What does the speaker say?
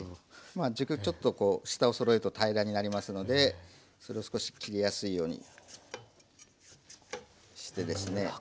まあ軸ちょっとこう下をそろえると平らになりますのでそれを少し切りやすいようにしてですね。